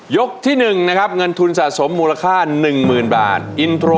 ยกที่หนึ่งนะครับเงินทุนสะสมมูลค่าหนึ่งหมื่นบาท